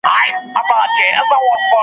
صبر د بریا راز دی.